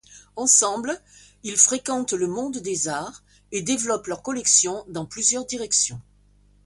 Ensemble, ils fréquentent le monde des arts et développent leur collection dans plusieurs directions.